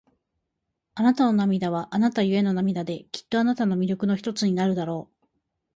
あなたの涙は、あなたゆえの涙で、きっとあなたの魅力の一つになるだろう。